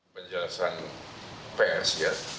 penjelasan prs ya